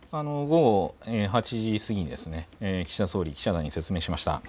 午後８時過ぎに岸田総理、記者団に説明しました。